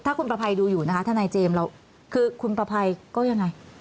ถ้าคุณประภัยดูอยู่นะคะทนายเจมส์เราคือคุณประภัยก็ยังไง